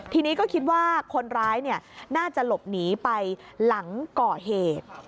ทีนี้ก็คิดว่าคนร้ายน่าจะหลบหนีไปหลังก่อเหตุ